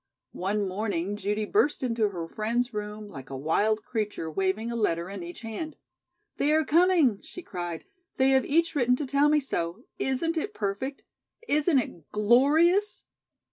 One morning Judy burst into her friend's room like a wild creature, waving a letter in each hand. "They are coming," she cried. "They have each written to tell me so. Isn't it perfect? Isn't it glorious?"